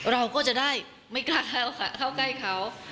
เราก็จะได้ไม่กล้าค่ะเข้าใกล้เขา